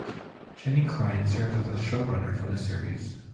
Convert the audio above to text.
Jenny Klein serves as showrunner for the series.